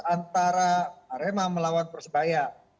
antara arema melawan persebaya